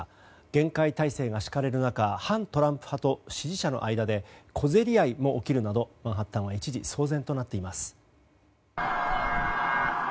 厳戒態勢が敷かれる中反トランプ派と支持者の間で小競り合いも起きるなどマンハッタンは一時騒然となっています。